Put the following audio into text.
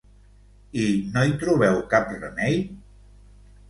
I no hi trobeu cap remei?